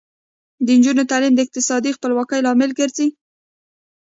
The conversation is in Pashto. د نجونو تعلیم د اقتصادي خپلواکۍ لامل ګرځي.